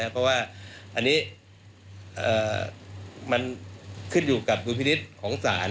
เพราะว่าอันนี้ขึ้นอยู่กับจุภิตของศาล